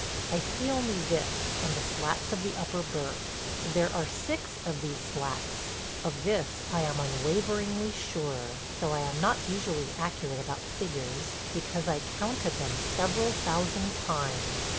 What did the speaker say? I see only this and the slats of the upper berth. There are six of these slats. Of this I am unwaveringly sure – though I am not usually accurate about figures – because I counted them several thousand times.